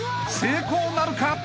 ［成功なるか？